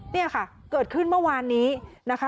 เนี่ยค่ะเกิดขึ้นเมื่อวานนี้นะคะ